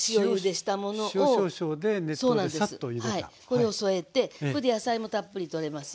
これを添えてこれで野菜もたっぷりとれますよね。